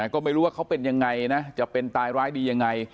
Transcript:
ก็ไม่รู้ว่าเขาเป็นยังไงนะจะเป็นตายร้ายดียังไง